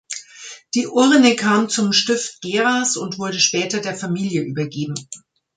Die Urne kam zum Stift Geras und wurde später der Familie übergeben.